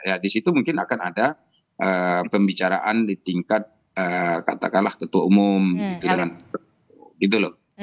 ya di situ mungkin akan ada pembicaraan di tingkat katakanlah ketua umum gitu loh